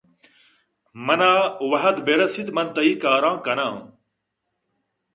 من ءَ وھد بہ رس ایت من تئی کار ءَ کن آں ۔